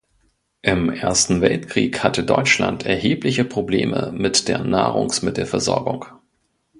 Im Ersten Weltkrieg hatte Deutschland erhebliche Probleme mit der Nahrungsmittelversorgung.